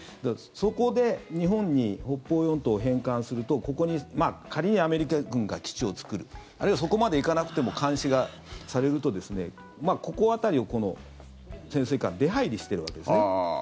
そこで日本に北方四島を返還するとここに仮にアメリカ軍が基地を作るあるいはそこまで行かなくても監視されるとここ辺りを潜水艦は出入りしているわけですね。